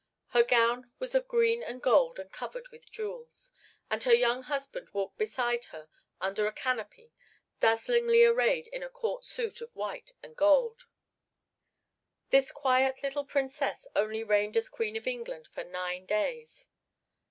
Her gown was of green and gold and covered with jewels, and her young husband walked beside her under a canopy, dazzlingly arrayed in a court suit of white and gold. This quiet little Princess only reigned as Queen of England for nine days.